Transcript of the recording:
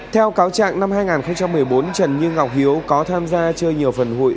theo cáo trạng năm hai nghìn một mươi bốn trần như ngọc hiếu có tham gia chơi nhiều phần hụi